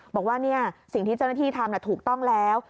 บอกว่าสิ่งที่เจ้าหน้าที่ทำถูกต้องแล้ว